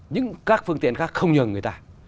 những các phương tiện khác không nhờ người ta